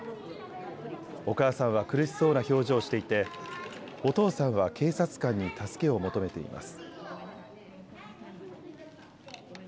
お母さんは苦しそうな表情をしていて、お父さんは警察官に助けを求めています。